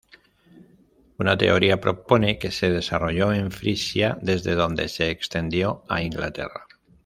Una teoría propone que se desarrolló en Frisia desde donde se extendió a Inglaterra.